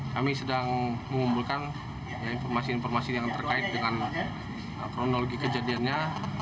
kami sedang mengumpulkan informasi informasi yang terkait dengan kronologi kejadiannya